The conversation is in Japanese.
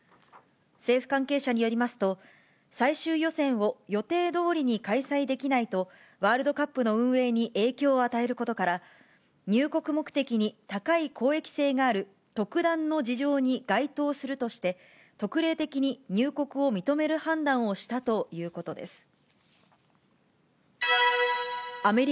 政府関係者によりますと、最終予選を予定どおりに開催できないと、ワールドカップの運営に影響を与えることから、入国目的に高い公益性がある特段の事情に該当するとして、特例的に入国を認める判断をしたということです。